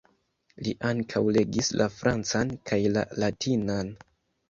Li ankaŭ legis la francan kaj la latinan.